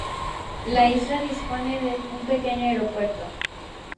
La isla dispone de un pequeño aeropuerto